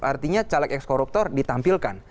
artinya caleg ekskoruptor ditampilkan